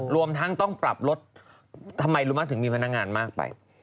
รวมทั้งต้องปรับรถทำไมรู้มั้ยถึงมีพนักงานมากไป